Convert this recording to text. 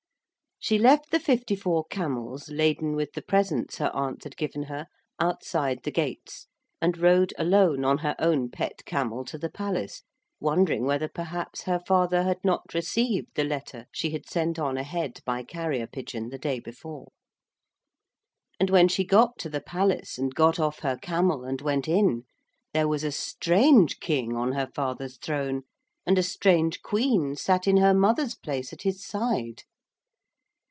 She left the fifty four camels laden with the presents her aunt had given her outside the gates, and rode alone on her own pet camel to the palace, wondering whether perhaps her father had not received the letter she had sent on ahead by carrier pigeon the day before. And when she got to the palace and got off her camel and went in, there was a strange king on her father's throne and a strange queen sat in her mother's place at his side.